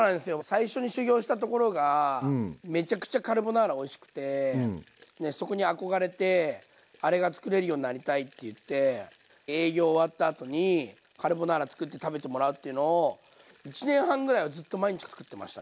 最初に修業したところがめちゃくちゃカルボナーラおいしくてそこに憧れてあれが作れるようになりたいって言って営業終わったあとにカルボナーラ作って食べてもらうっていうのを１年半ぐらいはずっと毎日作ってましたね。